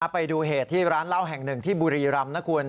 ไปดูเหตุที่ร้านเหล้าแห่งหนึ่งที่บุรีรำนะคุณ